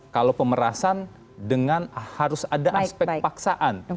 kalau pemerasan dengan harus ada aspek paksaan